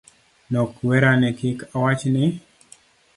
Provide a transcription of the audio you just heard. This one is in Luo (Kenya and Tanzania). Nokwera ni kik awach ni.